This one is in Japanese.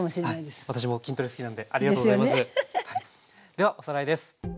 ではおさらいです。